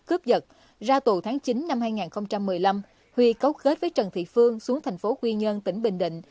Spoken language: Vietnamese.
cướp giật ra tù tháng chín năm hai nghìn một mươi năm huy cấu kết với trần thị phương xuống thành phố quy nhơn tỉnh bình định